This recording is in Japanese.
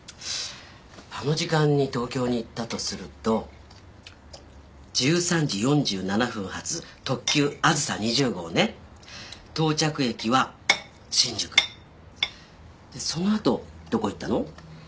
あの時間に東京に行ったとすると１３時４７分発特急あずさ２０号ね到着駅は新宿でそのあとどこ行ったの？